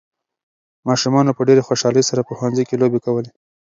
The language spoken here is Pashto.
ماشومانو په ډېرې خوشالۍ سره په ښوونځي کې لوبې کولې.